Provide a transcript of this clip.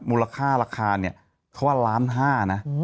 มูลค่าราคาเนี่ยเขาว่าล้านห้านะ